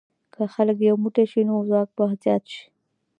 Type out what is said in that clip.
که خلک یو موټی شي، نو ځواک به زیات شي.